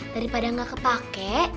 daripada nggak kepake